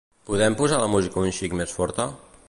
Podem posar la música un xic més forta?